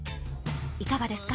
いかがですか？